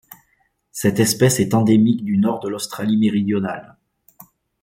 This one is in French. Cette espèce est endémique du Nord de l'Australie-Méridionale.